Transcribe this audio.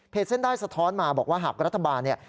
เส้นได้สะท้อนมาบอกว่าหากรัฐบาลเนี่ย